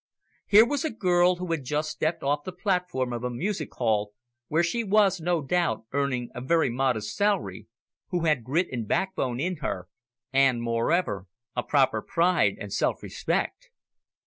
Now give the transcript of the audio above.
Here was a girl who had just stepped off the platform of a music hall, where she was, no doubt, earning a very modest salary, who had grit and backbone in her, and, moreover, a proper pride and self respect.